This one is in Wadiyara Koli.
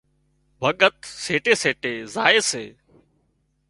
ڀڳت سيٽي سيٽي زائي سي